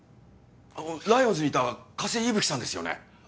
ライオンズにいた加瀬伊吹さんですよね？